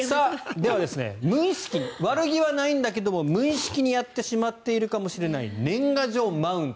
では悪気はないんだけど無意識にやってしまっているかもしれない年賀状マウント